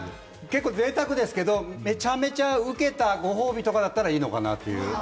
結構、贅沢ですけど、めちゃめちゃウケたご褒美だったらいいのかなって。